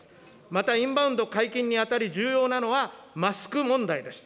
また、インバウンド解禁にあたり、重要なのは、マスク問題です。